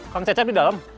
kamu cecep di dalam